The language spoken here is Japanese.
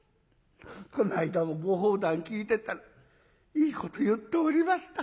この間もご法談聞いてたらいいこと言っておりました。